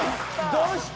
どうした！？